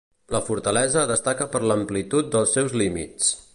La fortalesa destaca per l'amplitud dels seus límits.